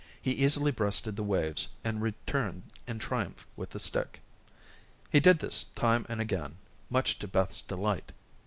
He easily breasted the waves, and returned in triumph with the stick. He did this time and again, much to Beth's delight.